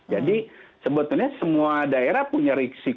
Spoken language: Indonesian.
jadi sebetulnya semua daerah punya risiko yang halus